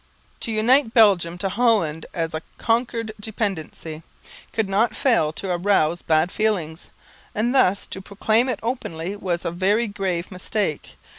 _ To unite Belgium to Holland, as a conquered dependency, could not fail to arouse bad feelings; and thus to proclaim it openly was a very grave mistake.